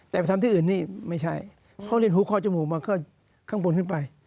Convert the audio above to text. แต่ไปทำที่อื่นนี่ไม่ใช่เพราะเรียนหูคอจมูกมาก็ข้างบนขึ้นไป